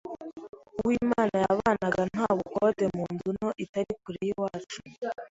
Uwimana yabanaga nta bukode mu nzu nto itari kure yacu.